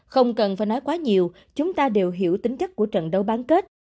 không cần phải nói quá nhiều chúng ta đều hiểu tính chất của trận đấu bán kết